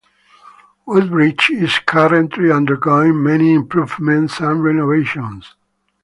Woodbridge is currently undergoing many improvements and renovations.